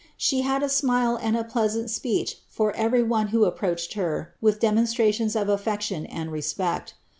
She had a smile and a pleasant speech for every one who approached her with demonslralions of atlection and respect.